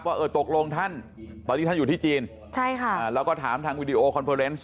เออตกลงท่านตอนนี้ท่านอยู่ที่จีนใช่ค่ะแล้วก็ถามทางวิดีโอคอนเฟอร์เนส